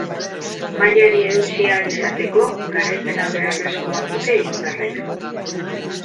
Mailari eutsi ahal izateko garaipena beharrezkoa dute irundarrek.